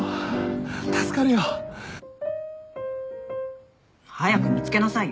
助かるよ。早く見つけなさいよ。